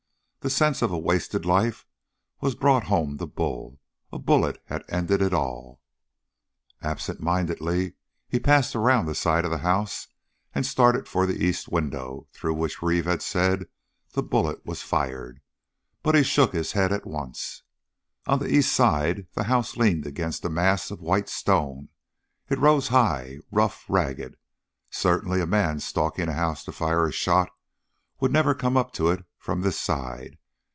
The sense of a wasted life was brought home to Bull; a bullet had ended it all! Absent mindedly he passed around the side of the house and started for the east window through which Reeve had said that the bullet was fired, but he shook his head at once. On the east side the house leaned against a mass of white stone. It rose high, rough, ragged. Certainly a man stalking a house to fire a shot would never come up to it from this side!